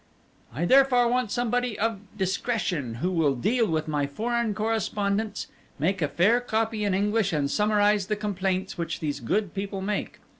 "I therefore want somebody of discretion who will deal with my foreign correspondence, make a fair copy in English and summarize the complaints which these good people make.